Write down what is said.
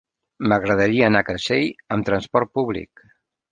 M'agradaria anar a Creixell amb trasport públic.